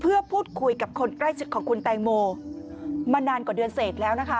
เพื่อพูดคุยกับคนใกล้ชิดของคุณแตงโมมานานกว่าเดือนเสร็จแล้วนะคะ